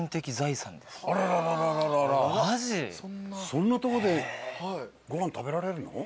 そんなとこでご飯食べられるの？